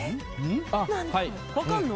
分かんの？